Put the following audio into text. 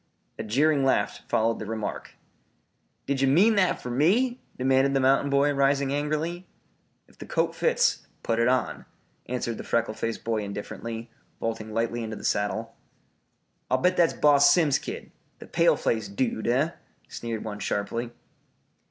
A jeering laugh followed the remark. "Did ye mean that fer me?" demanded the mountain boy, rising angrily. "If the coat fits, put it on," answered the freckle faced boy indifferently, vaulting lightly into the saddle. "I'll bet that's Boss Simms's kid the pale faced dude, eh?" sneered one sharply.